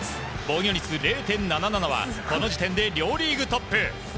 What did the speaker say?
防御率０．７７はこの時点で両リーグトップ。